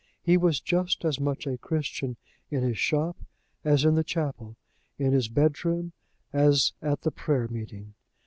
He was just as much a Christian in his shop as in the chapel, in his bedroom as at the prayer meeting.